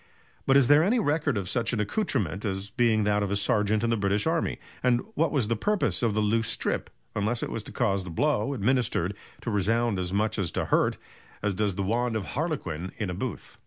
But is there any record of such an accoutrement as being that of a sergeant in the British army? and what was the purpose of the loose strip, unless it was to cause the blow administered to resound as much as to hurt, as does the wand of Harlequin in a booth."